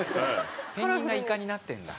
ペンギンがイカになってるんだ。